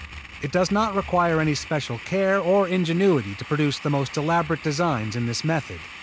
It does not require any special care or ingenuity to produce the most elaborate designs in this method.